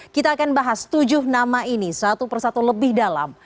kita akan bahas tujuh nama ini satu persatu lebih dalam